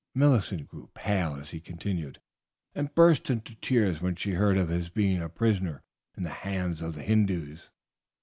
Millicent grew pale as he continued, and burst into tears when she heard of his being a prisoner in the hands of the Hindoos.